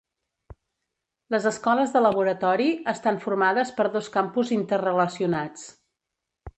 Les escoles de laboratori estan formades per dos campus interrelacionats.